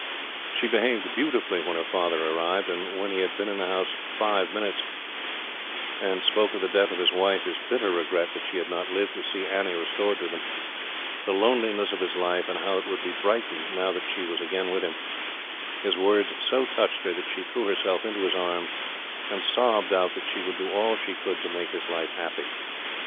She behaved beautifully when her father arrived, and when he had been in the house five minutes, and spoke of the death of his wife, his bitter regret that she had not lived to see Annie restored to them, the loneliness of his life and how it would be brightened now that she was again with him, his words so touched her that she threw herself into his arms, and sobbed out that she would do all she could to make his life happy.